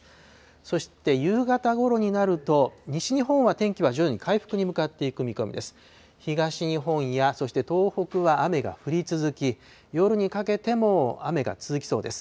そして夕方ごろになると、西日本は天気は徐々に回復に向かっていく見込みです。